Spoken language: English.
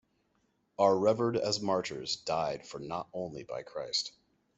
Are revered as martyrs died for not only by Christ.